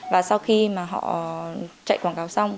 và sau khi mà họ chạy quảng cáo xong